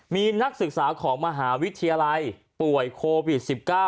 มีนักศึกษาของมหาวิทยาลัยป่วยโควิด๑๙